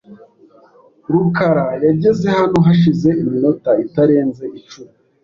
rukara yageze hano hashize iminota itarenze icumi .